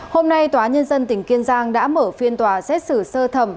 hôm nay tòa nhân dân tỉnh kiên giang đã mở phiên tòa xét xử sơ thẩm